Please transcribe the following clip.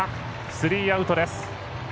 スリーアウトです。